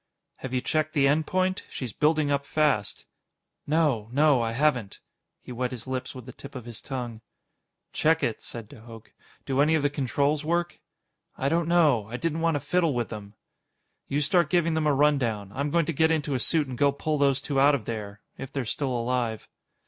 "Have you checked the end point? She's building up fast." "No. No. I haven't." He wet his lips with the tip of his tongue. "Check it," said de Hooch. "Do any of the controls work?" "I don't know. I didn't want to fiddle with them." "You start giving them a rundown. I'm going to get into a suit and go pull those two out of there if they're still alive."